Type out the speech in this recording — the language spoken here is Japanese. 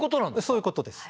そういうことです。